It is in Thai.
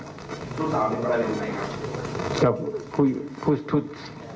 ทุกสาวเป็นอะไรอยู่ในนั้นครับ